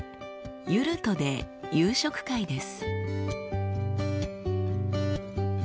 ユルトで夕食会です。